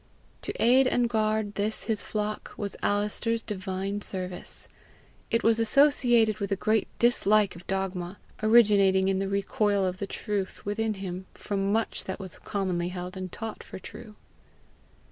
To aid and guard this his flock, was Alister's divine service. It was associated with a great dislike of dogma, originating in the recoil of the truth within him from much that was commonly held and taught for true.